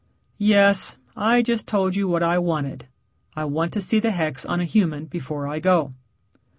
"Yes. I just told you what I wanted. I want to see the hex on a human before I go."